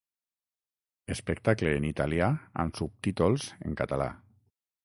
Espectacle en italià amb subtítols en català.